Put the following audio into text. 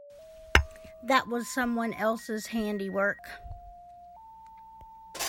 That was someone else's handy work.